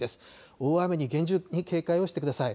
大雨に厳重に警戒をしてください。